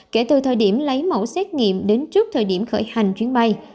kể từ thời điểm lấy mẫu xét nghiệm đến trước thời điểm khởi hành chuyến bay